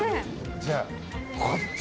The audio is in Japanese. じゃあこっち。